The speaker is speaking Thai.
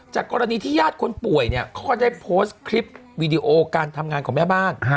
กรณีที่ญาติคนป่วยเนี่ยเขาก็ได้โพสต์คลิปวีดีโอการทำงานของแม่บ้าน